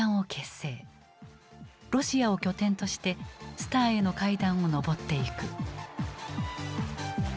ロシアを拠点としてスターへの階段を上っていく。